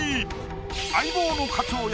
「相棒」の課長役